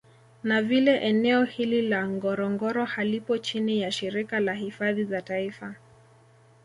Na vile eneo hili la Ngorongoro halipo chini ya shirika la hifadhi za taifa